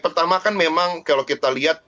pertama kan memang kalau kita lihat